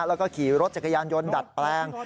แล้วก็ขี่รถจักรยานยนต์ดัดแปลง